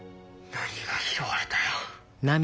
何が拾われたや。